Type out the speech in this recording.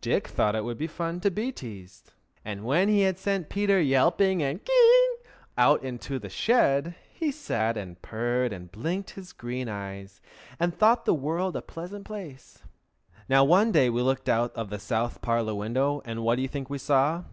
Dick thought it would be fun to be teased, and when he had sent Peter yelping and ki yi ing out into the shed, he sat and purred and blinked his green eyes, and thought the world a pleasant place. Now one day we looked out of the south parlor window, and what do you think we saw?